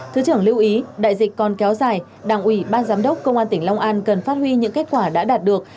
thứ trưởng lưu ý đại dịch còn kéo dài đảng ủy ban giám đốc công an tỉnh long an cần phát huy những kết quả đã đạt được